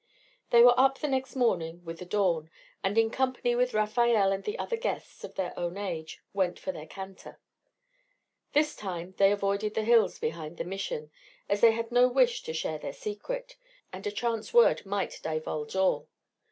They were up the next morning with the dawn, and in company with Rafael and the other guests of their own age, went for their canter. This time they avoided the hills behind the Mission, as they had no wish to share their secret, and a chance word might divulge all.